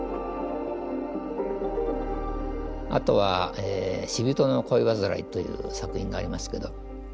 あとは「死びとの恋わずらい」という作品がありますけど。